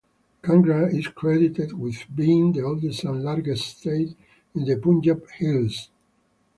Kangra is credited with being the oldest and largest state in the Punjab Hills.